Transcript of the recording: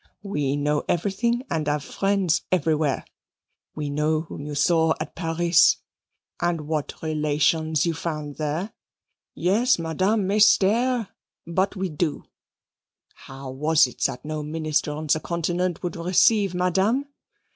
We know everything and have friends everywhere. We know whom you saw at Paris, and what relations you found there. Yes, Madame may stare, but we do. How was it that no minister on the Continent would receive Madame?